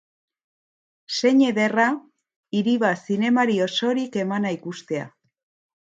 Zein ederra hiri bat zinemari osorik emana ikustea.